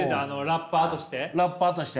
ラッパーとして？